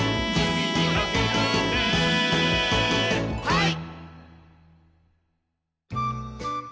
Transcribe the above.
はい！